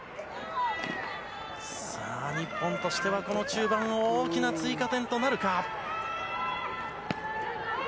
さあ、日本としてはこの中盤、大きな追加点となるか。